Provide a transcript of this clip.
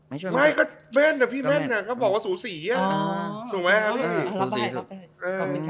แม่นแต่พี่แม่นบอกว่าสูสี